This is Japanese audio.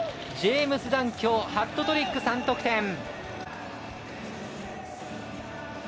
ジェームズ・ダンきょうハットトリック３得点。